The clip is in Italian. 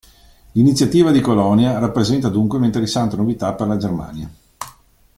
L'iniziativa di Colonia rappresenta dunque un'interessante novità per la Germania.